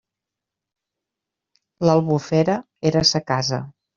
L'Albufera era sa casa.